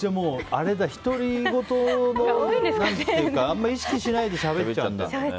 ひとりごとをあんまり意識しないでしゃべっちゃうんだ。